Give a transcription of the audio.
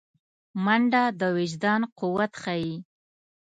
منډه د وجدان قوت ښيي